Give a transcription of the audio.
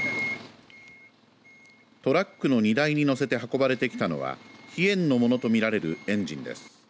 トラックの荷台に乗せられて運ばれてきたのは飛燕のものと見られるエンジンです。